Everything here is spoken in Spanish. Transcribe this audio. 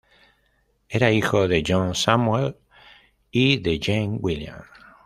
Era hijo de John Samuel y de Jane William.